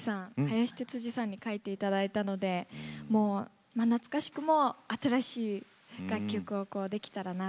林哲司さんに書いていただいたので懐かしくも新しい楽曲をこうできたらなと思い